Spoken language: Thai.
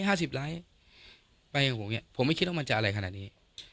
ห้าสิบไลค์ไปกับผมอย่างเงี้ผมไม่คิดว่ามันจะอะไรขนาดนี้